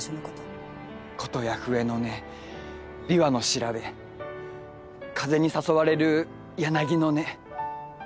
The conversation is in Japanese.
琴や笛の音琵琶の調べ風に誘われる柳の音。